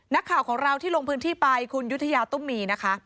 นักข่าวของเราที่ลงพื้นที่ไปคุณยุธยาตุ้มมีนะคะ